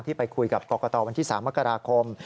ไปคุยกับกรกตวันที่๓มกราคม